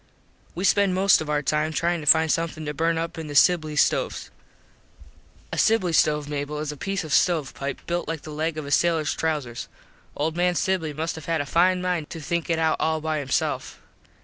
We spent most of our time tryin to find somethin to burn up in the Sibly stoves. A sibly stove, Mable, is a piece of stove pipe built like the leg of a sailurs trowsers. Old man Sibly must have had a fine mind to think it out all by hisself.